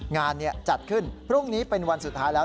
งานจัดขึ้นพรุ่งนี้เป็นวันสุดท้ายแล้ว